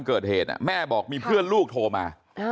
เกิดเหตุแม่บอกมีเพื่อนลูกโทรมา